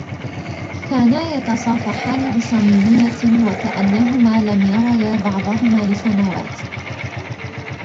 كانا يتصافحان بصميمية وكأنهما لم يريا بعضهما لسنوات.